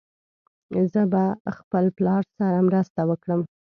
زه به خپل پلار سره مرسته وکړم.